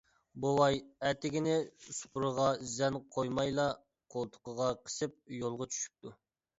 بوۋاي ئەتىگىنى سۇپرىغا زەن قويمايلا قولتۇقىغا قىسىپ، يولغا چۈشۈپتۇ.